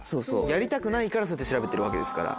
やっぱ焼くか。からそうやって調べてるわけですから。